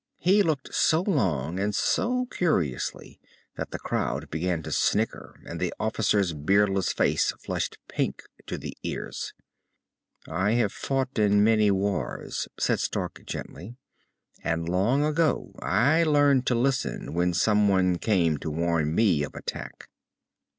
He looked so long and so curiously that the crowd began to snicker and the officer's beardless face flushed pink to the ears. "I have fought in many wars," said Stark gently. "And long ago I learned to listen, when someone came to warn me of attack."